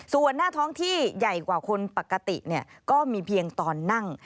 ส่วนหน้าท้องที่ใหญ่กว่าคนปกติก็มีเพียงตอนนั่ง